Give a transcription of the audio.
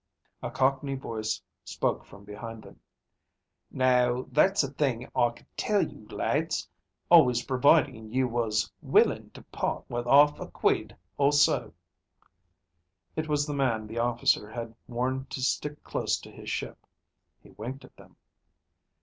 A cockney voice spoke from behind them. "Now, that's a thing I could tell you lads, always providin' you was willin' to part with 'arf a quid or so." It was the man the officer had warned to stick close to his ship. He winked at them.